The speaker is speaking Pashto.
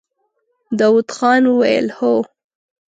داوود خان وويل: هو!